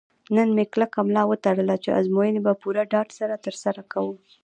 نن مې کلکه ملا وتړله چې ازموینې به په پوره ډاډ سره ترسره کوم.